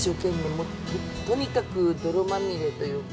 もうとにかく泥まみれというか。